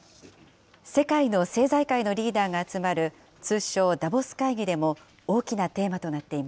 世界の政財界のリーダーが集まる通称、ダボス会議でも大きなテー